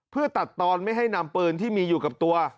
เพื่อตัดตอนไม่ให้นำปืนที่มีอยู่กับตัว